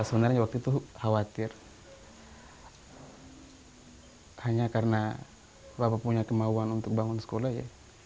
sebenarnya waktu itu khawatir hanya karena bapak punya kemauan untuk bangun sekolah ya